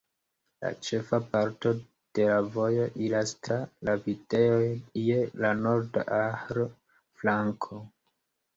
La ĉefa parto de la vojo iras tra la vitejoj je la norda Ahr-flanko.